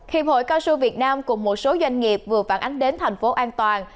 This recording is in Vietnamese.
hiệp hội cao su việt nam cùng một số doanh nghiệp vừa phản ánh đến thành phố an toàn